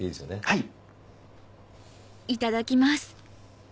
はい。